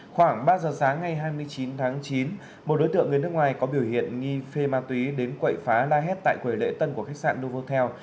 khoảng ba giờ sáng ngày hai mươi chín tháng chín một đối tượng người nước ngoài có biểu hiện nghi phê ma túy đến quậy phá la hét tại quầy lễ tân của khách sạn novotel